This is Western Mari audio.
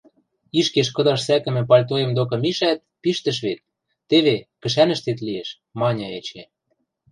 Ишкеш кыдаш сӓкӹмӹ пальтоэм докы мишӓт, пиштӹш вет: «Теве, кӹшӓнӹштет лиэш...» – маньы эче.